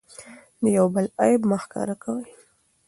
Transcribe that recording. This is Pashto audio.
د یو بل عیب مه ښکاره کوئ.